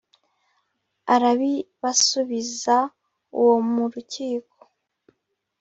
Arabibasubiza uwo mu rukiko